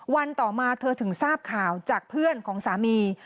วันต่อมาเธอถึงทราบข่าวจากเพื่อนของสามี